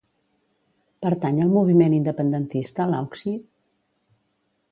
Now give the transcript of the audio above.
Pertany al moviment independentista l'Auxi?